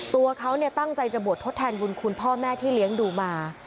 ตัวเขาตั้งใจจะบวชทดแทนบุญคุณพ่อแม่ที่เลี้ยงดูมา